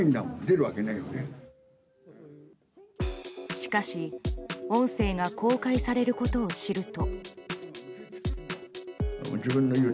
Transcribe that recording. しかし音声が公開されることを知ると。